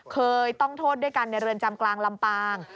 เคยต้องโทษด้วยกันในเรือนจำกลางลำปาง